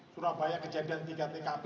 surabaya kejadian tiga tkp